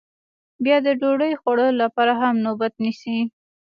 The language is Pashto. بیا د ډوډۍ خوړلو لپاره هم نوبت نیسي